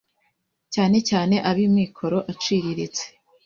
cyane cyane ab'amikoro aciriritse,